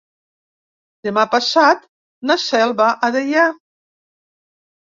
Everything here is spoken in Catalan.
Demà passat na Cel va a Deià.